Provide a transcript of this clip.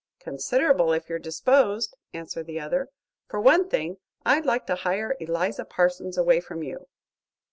"Considerable, if you're disposed," answered the other. "For one thing I'd like to hire Eliza Parsons away from you."